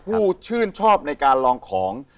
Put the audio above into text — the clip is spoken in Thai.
ผู้ชื่นชอบในการลองของ